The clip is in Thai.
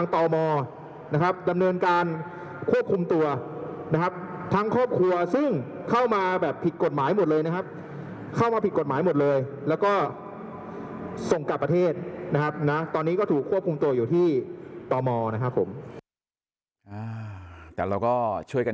ก็ได้นะคะยิ่งเธอไปเจอเด็กเล็กแล้วเนอะ